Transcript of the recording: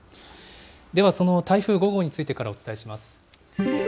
では、その台風５号についてからお伝えします。